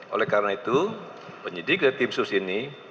oleh karena itu penyidik dari tim sus ini